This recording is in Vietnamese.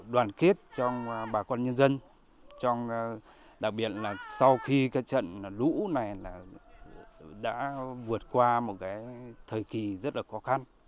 đoàn kết trong bà con nhân dân đặc biệt là sau khi cái trận lũ này là đã vượt qua một cái thời kỳ rất là khó khăn